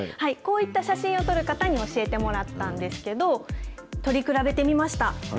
こういった写真を撮る方に教えてもらったんですけど、撮り比べてみました。